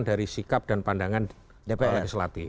dari sikap dan pandangan dpr legislatif